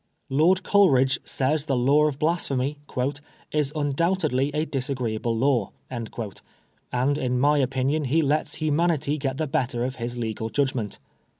Lord Coleridge says the law of blasphemy " is un doubtedly a disagreeable law," and in my opinion he lets humanity get the better Of his legal judgment.